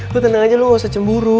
gue tenang aja lo gak usah cemburu